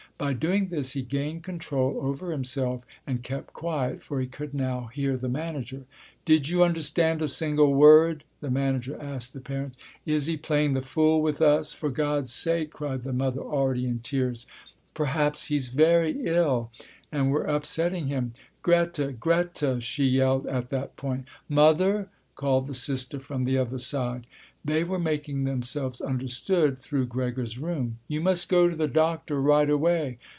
By doing this he gained control over himself and kept quiet, for he could now hear the manager. "Did you understood a single word?" the manager asked the parents, "Is he playing the fool with us?" "For God's sake," cried the mother already in tears, "perhaps he's very ill and we're upsetting him. Grete! Grete!" she yelled at that point. "Mother?" called the sister from the other side. They were making themselves understood through Gregor's room. "You must go to the doctor right away.